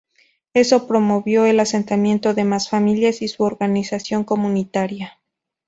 Eso promovió el asentamiento de más familias y su organización comunitaria.